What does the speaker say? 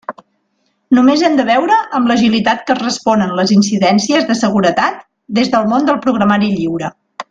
Només hem de veure amb l'agilitat que es responen les incidències de seguretat des del món del programari lliure.